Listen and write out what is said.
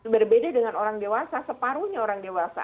berbeda dengan orang dewasa separuhnya orang dewasa